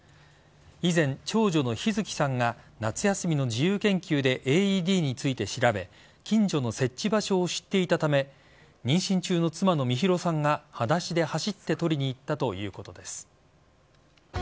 以前、長女の陽月さんが夏休みの自由研究でＡＥＤについて調べ近所の設置場所を知っていたため妊娠中の妻の美弘さんがはだしで走って取りに行ったということです。